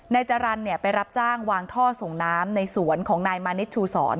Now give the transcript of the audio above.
นายจรรย์ไปรับจ้างวางท่อส่งน้ำในสวนของนายมานิดชูสอน